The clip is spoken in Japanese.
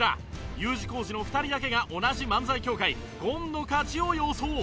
Ｕ 字工事の２人だけが同じ漫才協会ゴンの勝ちを予想